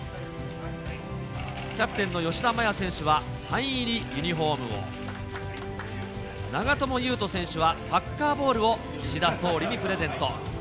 キャプテンの吉田麻也選手は、サイン入りユニホームを、長友佑都選手はサッカーボールを岸田総理にプレゼント。